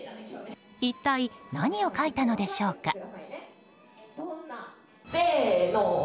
一体何を書いたのでしょうか。